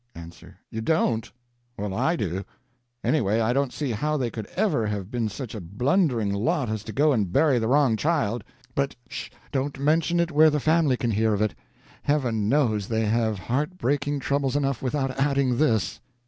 You don't? Well, I do. Anyway, I don't see how they could ever have been such a blundering lot as to go and bury the wrong child. But, 'sh! don't mention it where the family can hear of it. Heaven knows they have heartbreaking troubles enough without adding this.